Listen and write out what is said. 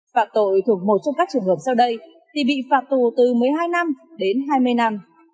phạm tội thuộc một trong các trường hợp sau đây thì bị phạt tù từ một mươi hai năm đến hai mươi năm